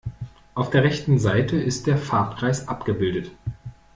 Auf der rechten Seite ist der Farbkreis abgebildet.